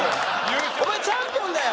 お前チャンピオンだよ！